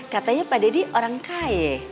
katanya pak deddy orang kaya